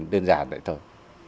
đơn giản vậy thôi